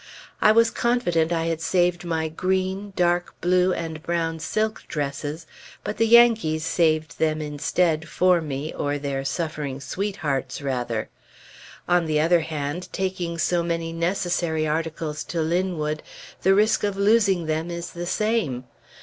I was confident I had saved my green, dark blue, and brown silk dresses, but the Yankees saved them instead, for me, or their suffering sweethearts, rather. On the other hand, taking so many necessary articles to Linwood, the risk of losing them is the same.